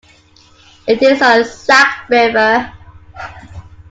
It is on the Sac River.